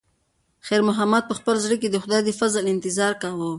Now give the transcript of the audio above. خیر محمد په خپل زړه کې د خدای د فضل انتظار کاوه.